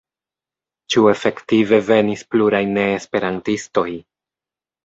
Ĉu efektive venis pluraj neesperantistoj?